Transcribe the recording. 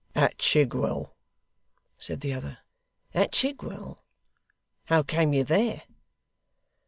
'At Chigwell,' said the other. 'At Chigwell! How came you there?